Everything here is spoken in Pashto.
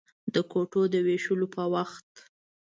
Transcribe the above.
د کوټو د وېشلو په وخت.